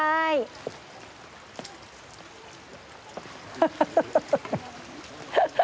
ハハハハハ。